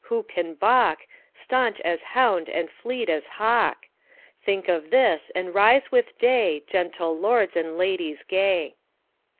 who can baulk, Stanch as hound and fleet as hawk? Think of this and rise with day, Gentle lords and ladies gay.